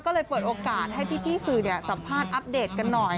ก็เลยเปิดโอกาสให้พี่สื่อสัมภาษณ์อัปเดตกันหน่อย